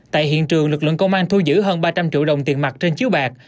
tại hiện trường lực lượng công an thu giữ hơn ba trăm linh triệu đồng tiền mặt trên chiếu bạc